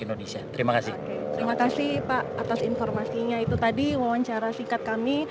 indonesia terima kasih terima kasih pak atas informasinya itu tadi wawancara sikat kami